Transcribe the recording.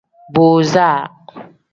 Booza.